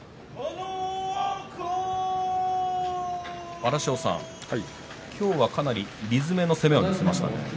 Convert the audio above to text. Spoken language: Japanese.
荒汐さん、今日はかなり理詰めの攻めを見せましたね。